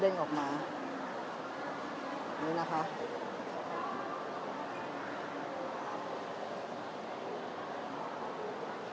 เดี๋ยวจะให้ดูว่าค่ายมิซูบิชิเป็นอะไรนะคะ